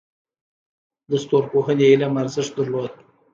د ستورپوهنې علم ارزښت درلود